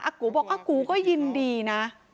กูบอกอากูก็ยินดีนะ